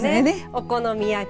お好み焼き。